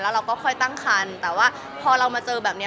เราก็ค่อยตั้งคันแต่ว่าพอเรามาเจอแบบนี้